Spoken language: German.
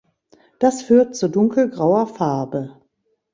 Das führt zu dunkelgrauer Farbe.